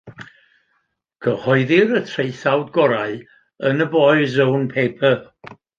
Cyhoeddir y traethawd gorau yn y Boy's Own Paper.